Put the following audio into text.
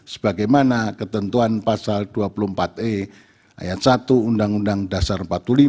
sebagaimana ketentuan pasal dua puluh empat e ayat satu undang undang dasar empat puluh lima